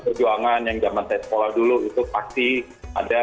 perjuangan yang zaman saya sekolah dulu itu pasti ada